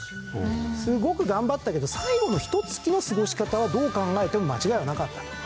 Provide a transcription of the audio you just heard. すごく頑張ったけど最後のひと月の過ごし方はどう考えても間違いはなかったと。